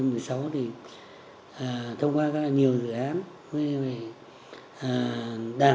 tôi đã thông qua rất nhiều dự án đảng ủy trung tâm